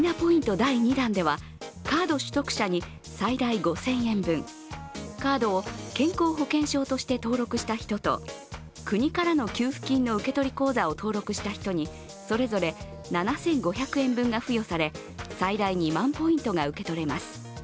第２弾では、カード取得者に最大５０００円分カードを健康保険証として登録した人とそれぞれ７５００円分が付与され最大２万ポイントが受け取れます。